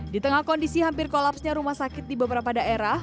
di tengah kondisi hampir kolapsnya rumah sakit di beberapa daerah